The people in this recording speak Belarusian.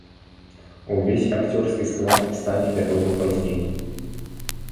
Увесь акцёрскі склад стане вядомы пазней.